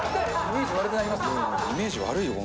イメージ悪いよ